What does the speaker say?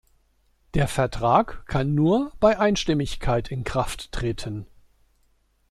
Der Vertrag kann nur bei Einstimmigkeit in Kraft treten.